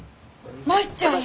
舞ちゃんや。